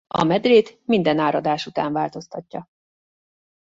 A medrét minden áradás után változtatja.